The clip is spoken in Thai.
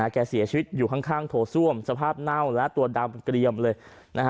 แกเสียชีวิตอยู่ข้างโถส้วมสภาพเน่าและตัวดำเกรียมเลย